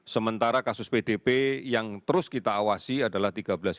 sementara kasus pdb yang terus kita awasi adalah tiga belas enam ratus empat puluh sembilan